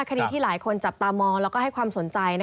คดีที่หลายคนจับตามองแล้วก็ให้ความสนใจ